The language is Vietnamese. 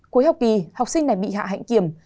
cuối học kỳ học sinh này bị hạ kiểm